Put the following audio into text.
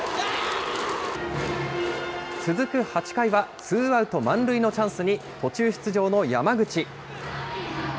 続く８回はツーアウト満塁のチャンスに、途中出場の山口。